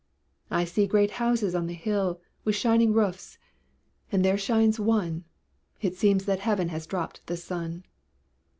I see great houses on the hill, With shining roofs; and there shines one, It seems that heaven has dropped the sun.